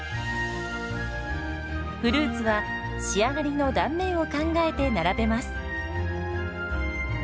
フルーツは仕上がりの断面を考えて並べます。